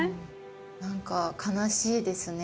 何か悲しいですね。